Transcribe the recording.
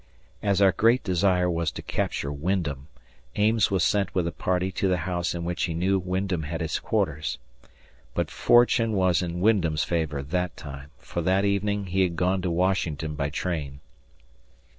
As our great desire was to capture Wyndham, Ames was sent with a party to the house in which he knew Wyndham had his quarters. But fortune was in Wyndham's favor that time, for that evening he had gone to Washington by train.